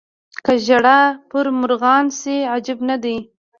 که ژړا پر مرغان شي عجب نه دی.